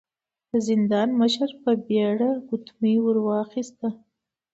د زندان مشر په بيړه ګوتمۍ ور واخيسته.